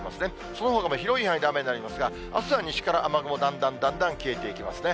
そのほかも広い範囲で雨になりますが、あすは西から雨雲だんだんだんだん消えていきますね。